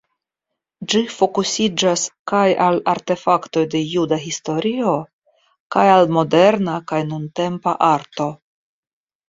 Ĝi fokusiĝas kaj al artefaktoj de juda historio kaj al moderna kaj nuntempa arto.